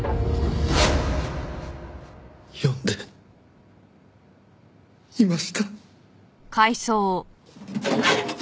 読んでいました。